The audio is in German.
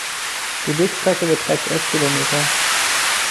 Die Wegstrecke beträgt elf Kilometer.